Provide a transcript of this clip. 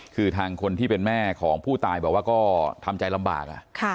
คือทางคนที่เป็นแม่ของผู้ตายบอกว่าก็ทำใจลำบาก